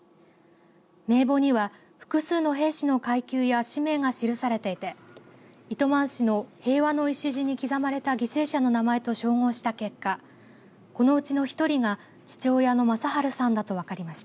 名簿には複数の兵士の階級や氏名が記されていて糸満市の平和の礎に刻まれた犠牲者の名前と照合した結果このうちの１人が父親の正治さんだと分かりました。